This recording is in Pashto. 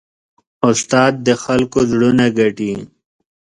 استاد د خلکو زړونه ګټي.